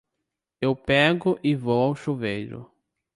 Eu pego e vou ao chuveiro.